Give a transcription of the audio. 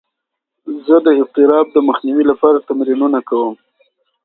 زه د اضطراب د مخنیوي لپاره تمرینونه کوم.